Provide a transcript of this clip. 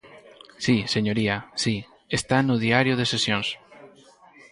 Si, señoría, si, está no Diario de Sesións.